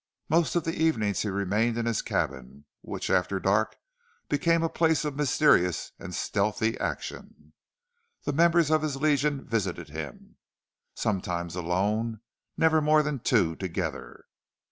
Most of the evenings he remained in his cabin, which after dark became a place of mysterious and stealthy action. The members of his Legion visited him, sometimes alone, never more than two together.